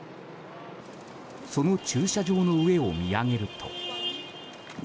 その駐車場の上を見上げると。